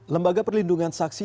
lembaga perlindungan saksi